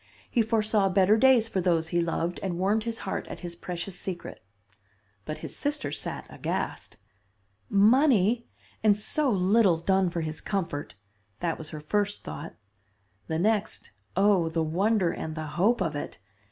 He foresaw better days for those he loved, and warmed his heart at his precious secret. "But his sister sat aghast. Money! and so little done for his comfort! That was her first thought. The next, oh, the wonder and the hope of it!